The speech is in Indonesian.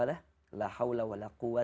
wassalamualaikum wr wb